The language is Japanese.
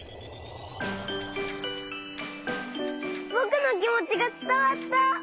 ぼくのきもちがつたわった！